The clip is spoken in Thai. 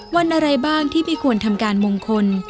วันอะไรบ้างที่ไม่ควรทำการมงคล